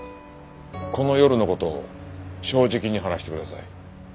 この夜の事を正直に話してください。